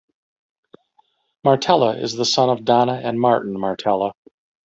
Martella is the son of Donna and Martin Martella.